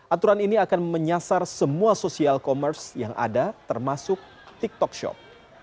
aturan ini akan menyasar semua sosial commerce yang ada termasuk tiktok shop